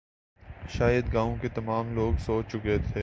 شاید گاؤں کے تمام لوگ سو چکے تھے